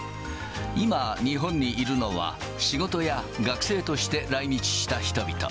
今、日本にいるのは、仕事や学生として来日した人々。